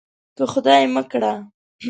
که خدای مه کړه.